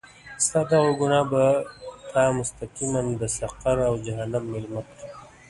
ستا دغه ګناه به تا مستقیماً د سقر او جهنم میلمه کړي.